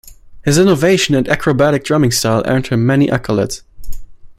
His innovation and acrobatic drumming style earned him many accolades.